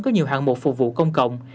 có nhiều hạng mục phục vụ công cộng